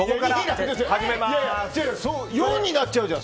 ４になっちゃうじゃん！